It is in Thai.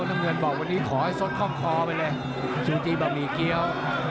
น้ำเงินบอกวันนี้ขอให้สดคล่องคอไปเลยซูจีบะหมี่เกี้ยว